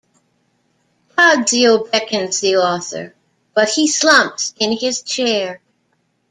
Tadzio beckons the author, but he slumps in his chair.